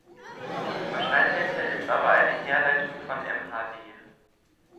Wahrscheinlicher ist aber eine Herleitung von mhd.